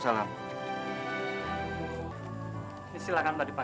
saya mau ke lirik sebentar